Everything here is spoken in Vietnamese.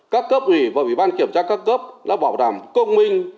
các cấp ủy và ủy ban kiểm tra các cấp đã bảo đảm công minh